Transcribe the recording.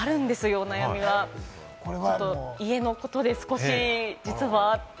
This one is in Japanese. お悩みは家のことで少し実はあって。